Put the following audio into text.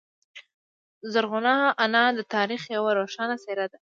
زرغونه انا د تاریخ یوه روښانه څیره ده.